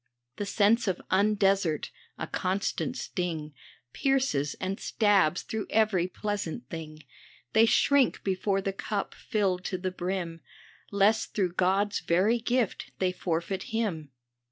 The sense of undesert, a constant sting, Pierces and stabs through every pleasant thing, They shrink before the cup filled to the brim, Lest through God's very gift they forfeit him.